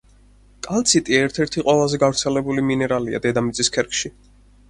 კალციტი ერთ-ერთი ყველაზე გავრცელებული მინერალია დედამიწის ქერქში.